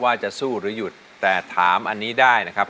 ว่าจะสู้หรือหยุดแต่ถามอันนี้ได้นะครับ